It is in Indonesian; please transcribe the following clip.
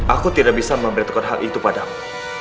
aku tidak bisa memberitahukan hal itu padamu